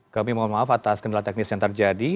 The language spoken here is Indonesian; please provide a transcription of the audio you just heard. kami mohon maaf atas kendala teknis yang terjadi